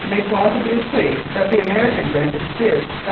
may plausibly plead that the American branded steers, etc.